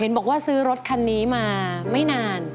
บอกว่าซื้อรถคันนี้มาไม่นาน